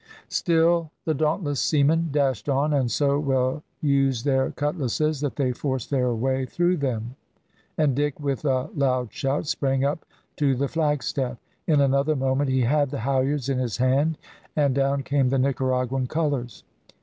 Still the dauntless seamen dashed on, and so well used their cutlasses that they forced their way through them, and Dick, with a loud shout, sprang up to the flagstaff. In another moment he had the halliards in his hand, and down came the Nicaraguan colours.